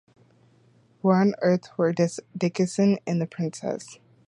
Where on earth were Dickson and the Princess?